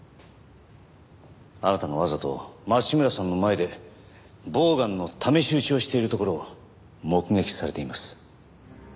あなたがわざと町村さんの前でボウガンの試し撃ちをしているところを目撃されています。